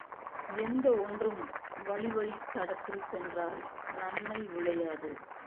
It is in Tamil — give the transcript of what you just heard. எந்த ஒன்றும் வழிவழித் தடத்தில் சென்றால் நன்மை விளையாது.